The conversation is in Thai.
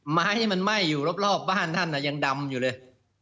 ไม้ที่มันไหม้อยู่รอบบ้านท่านยังดำอยู่เลย